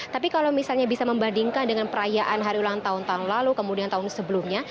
tapi kalau misalnya bisa membandingkan dengan perayaan hari ulang tahun tahun lalu kemudian tahun sebelumnya